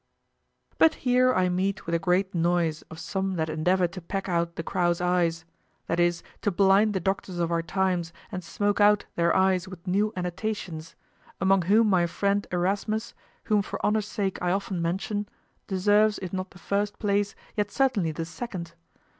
But here I meet with a great noise of some that endeavor to peck out the crows' eyes; that is, to blind the doctors of our times and smoke out their eyes with new annotations; among whom my friend Erasmus, whom for honor's sake I often mention, deserves if not the first place yet certainly the second.